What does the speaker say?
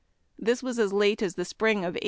This was as late as the spring of 1863.